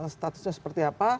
statusnya seperti apa